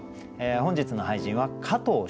本日の俳人は加藤楸邨。